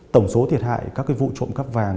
tổng số thiệt hại các vụ trộm cắp vàng